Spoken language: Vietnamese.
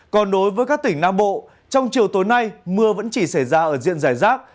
còn đối với các tỉnh nam bộ trong chiều tối nay mưa vẫn chỉ xảy ra ở diện giải rác